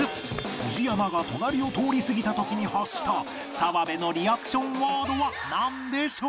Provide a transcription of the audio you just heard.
ＦＵＪＩＹＡＭＡ が隣を通り過ぎた時に発した澤部のリアクションワードはなんでしょう？